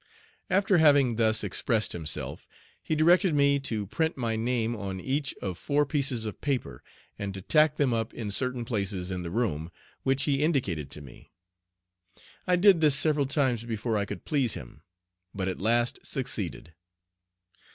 After having thus expressed himself, he directed me to print my name on each of four pieces of paper, and to tack them up in certain places in the room, which he indicated to me. I did this several times before I could please him; but at last succeeded.